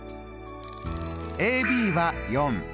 ＡＢは４。